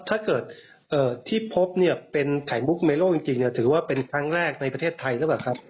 ถ้าเกิดที่พบเนี่ยเป็นไข่มุกเมโลจริงถือว่าเป็นครั้งแรกในประเทศไทยหรือเปล่าครับ